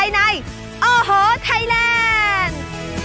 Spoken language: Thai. น่าสนใจในโอ้โหไทยแลนด์